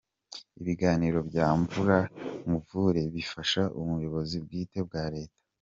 Ibiganiro bya Mvura Nkuvure bifasha n’ubuyobozi bw’ite bwa Leta.